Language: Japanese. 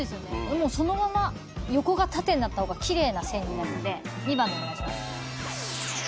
もうそのまま横が縦になった方がきれいな線になるので２番でお願いします。